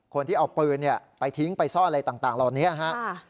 คนที่เอาปืนไปทิ้งไปซ่ออะไรต่างรอเนี่ยฮะ